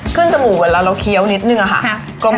เครื่องจมูกเวลาเราเคี้ยวนิดนึงค่ะ